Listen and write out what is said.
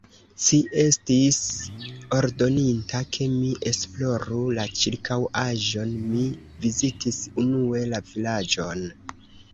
Ci estis ordoninta, ke mi esploru la ĉirkaŭaĵon; mi vizitis unue la vilaĝon.